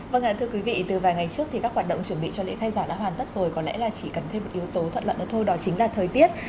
vâng ạ thưa quý vị từ vài ngày trước thì các hoạt động chuẩn bị cho lễ khai giảng đã hoàn tất rồi có lẽ là chỉ cần thêm một yếu tố thuận lợi thôi đó chính là thời tiết